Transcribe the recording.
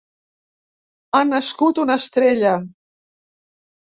Ha nascut una estrella.